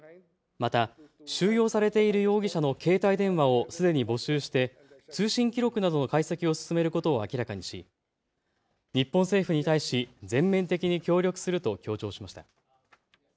また収容されている容疑者の携帯電話をすでに没収して通信記録などの解析を進めることを明らかにし日本政府に対し全面的に協力すると強調しました。